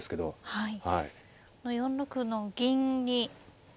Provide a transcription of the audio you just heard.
はい。